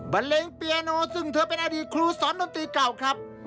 เล็งเปียโนซึ่งเธอเป็นอดีตครูสอนดนตรีเก่าครับ